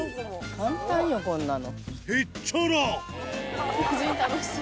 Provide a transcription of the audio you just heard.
簡単よ、こんなの。